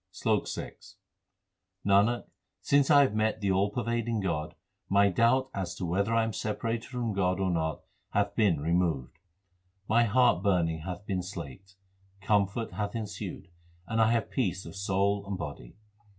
SLOK VI Nanak, since I have met the all pervading God, my doubt as to whether I am separated from God or not hath been removed. My heart burning hath been slaked, comfort hath ensued, and I have peace of soul and body.